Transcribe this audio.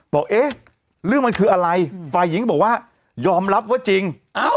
บอกเอ๊ะเรื่องมันคืออะไรฝ่ายหญิงก็บอกว่ายอมรับว่าจริง